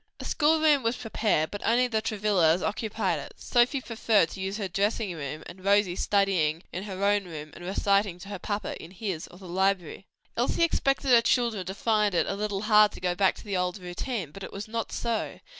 A school room was prepared, but only the Travillas occupied it, Sophie preferring to use her dressing room, and Rosie studying in her own room, and reciting to her papa in his or the library. Elsie expected her children to find it a little hard to go back to the old routine; but it was not so.